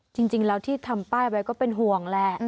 จริงแล้วที่ทำป้ายไว้ก็เป็นห่วงแหละ